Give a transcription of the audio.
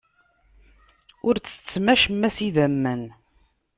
Ur ttettem acemma s idammen.